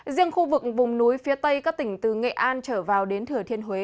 riêng khu vực vùng núi phía tây các tỉnh từ nghệ an trở vào đến thừa thiên huế